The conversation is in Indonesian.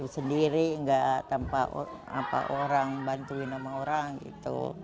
sendiri nggak tanpa orang bantuin sama orang gitu